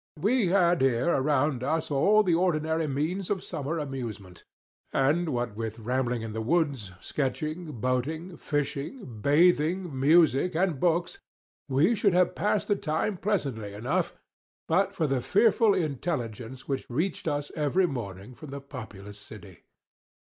We had here around us all the ordinary means of summer amusement; and what with rambling in the woods, sketching, boating, fishing, bathing, music, and books, we should have passed the time pleasantly enough, but for the fearful intelligence which reached us every morning from the populous city.